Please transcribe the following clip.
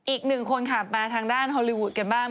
อีกหนึ่งคนค่ะมาทางด้านฮอลลีวูดกันบ้าง